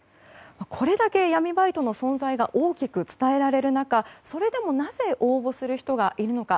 これだけ闇バイトの存在が大きく伝えられる中それでもなぜ応募する人がいるのか。